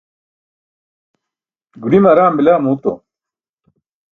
guḍime araam bila muuto